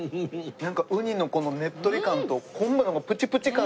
なんかウニのこのねっとり感と昆布のプチプチ感が。